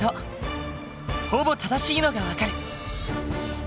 ほぼ正しいのが分かる。